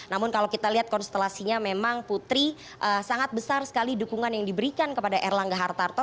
namun kalau kita lihat konstelasinya memang putri sangat besar sekali dukungan yang diberikan kepada erlangga hartarto